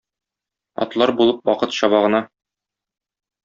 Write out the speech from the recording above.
Атлар булып вакыт чаба гына!